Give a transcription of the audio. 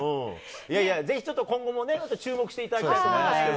ぜひ、今後も注目していただきたいと思いますけどね。